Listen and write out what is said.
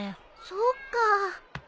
そっかぁ。